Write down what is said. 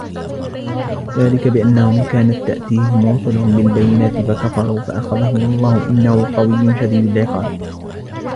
ذلك بأنهم كانت تأتيهم رسلهم بالبينات فكفروا فأخذهم الله إنه قوي شديد العقاب